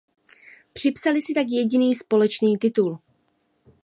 Připsali si tak jediný společný titul.